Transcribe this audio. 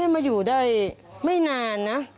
มาอยู่ได้ไม่นานนะ